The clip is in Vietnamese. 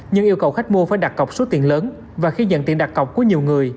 nhưng yêu cầu khách mua phải đặt cọc số tiền lớn và khi nhận tiền đặt cọc của nhiều người